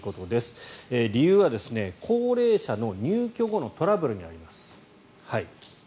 理由は高齢者の入居後のトラブルにあります。